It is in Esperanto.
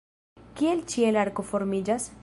Kiel ĉielarko formiĝas?